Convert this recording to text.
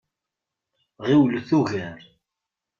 Ɣiwlet ugar!